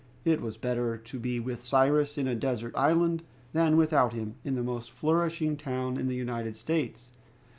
It was better to be with Cyrus in a desert island, than without him in the most flourishing town in the United States.